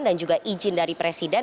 dan juga izin dari presiden